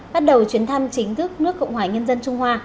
bắt đầu chuyến thăm chính thức nước cộng hòa nhân dân trung hoa